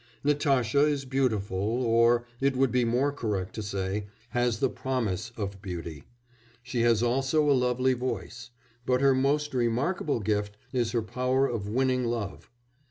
Natasha is beautiful or, it would be more correct to say, has the promise of beauty; she has also a lovely voice; but her most remarkable gift is her power of winning love.